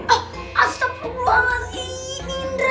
ah asap luar biasa sih indra